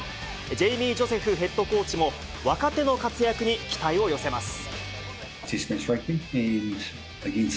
ジェイミー・ジョセフヘッドコーチも、若手の活躍に期待を寄せます。